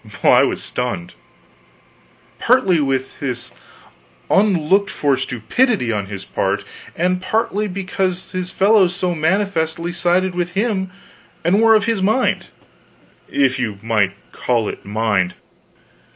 Well, I was stunned; partly with this unlooked for stupidity on his part, and partly because his fellows so manifestly sided with him and were of his mind if you might call it mind.